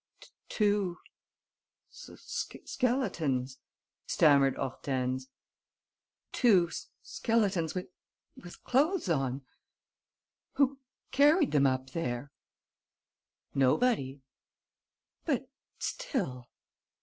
"Two skeletons," stammered Hortense. "Two skeletons with clothes on. Who carried them up there?" "Nobody." "But still...."